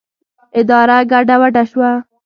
اداره ګډه وډه شوه.